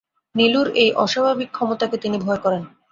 নীলুর এই অস্বাভাবিক ক্ষমতাকে তিনি ভয় করেন।